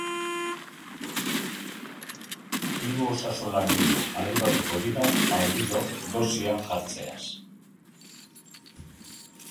Hiru osasun langile arduratuko dira aldiro dosia jartzeaz.